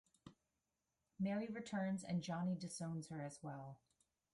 Mary returns, and Johnny disowns her as well.